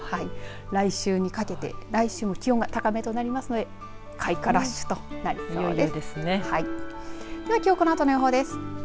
来週にかけて来週も気温が高めとなりますので開花ラッシュとなりそうです。